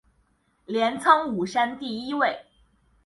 镰仓五山第一位。